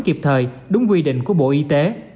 kịp thời đúng quy định của bộ y tế